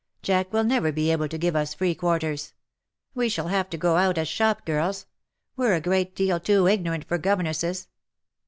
Jack will never be able to give us free quarters. We shall have to go out as shop girls. We^re a great deal too igno rant for governesses."